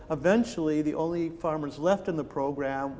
akhirnya hanya para pekerja yang diberi kembali di program ini